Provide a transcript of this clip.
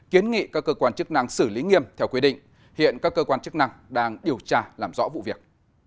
kiến nghị các cơ quan chức năng xử lý nghiêm theo quy định hiện các cơ quan chức năng đang điều tra làm rõ vụ việc